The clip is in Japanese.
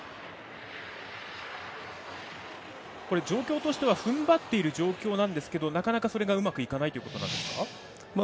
状況としてはふんばっている状況なんですけどなかなかそれがうまくいかないということなんですか。